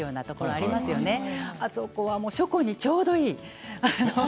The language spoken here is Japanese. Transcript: あそこは書庫にちょうどいい。